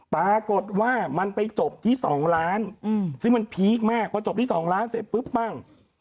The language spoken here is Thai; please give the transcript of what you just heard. ปรากฏว่ามันไปจบที่๒ล้านซึ่งมันพีคมากพอจบที่๒ล้านเสร็จปุ๊บปั้ง